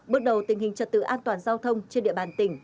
bước đầu tình hình trật tự an toàn giao thông trên địa bàn tỉnh